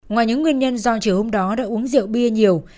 ngoài những nguyên nhân do chiều hôm đó đã uống rượu bia nhiều